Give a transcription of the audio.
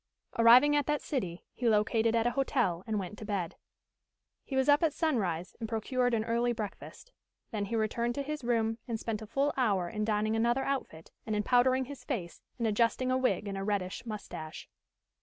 Arriving at that city, he located at a hotel, and went to bed. He was up at sunrise and procured an early breakfast. Then he returned to his room and spent a full hour in donning another outfit and in powdering his face, and adjusting a wig and a reddish moustache.